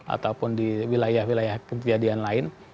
ataupun di wilayah wilayah kejadian lain